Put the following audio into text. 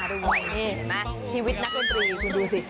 เห็นไหมชีวิตนักดนตรีคุณดูสิ